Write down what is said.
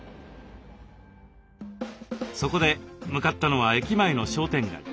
そこで向かったのは駅前の商店街。